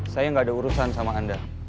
saya nggak ada urusan sama anda